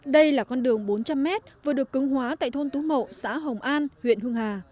đây là con đường bốn trăm linh mét vừa được cứng hóa tại thôn tú mậu xã hồng an huyện hưng hà